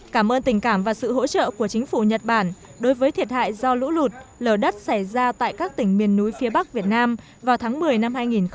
cảm ơn tình cảm và sự hỗ trợ của chính phủ nhật bản đối với thiệt hại do lũ lụt lở đất xảy ra tại các tỉnh miền núi phía bắc việt nam vào tháng một mươi năm hai nghìn một mươi tám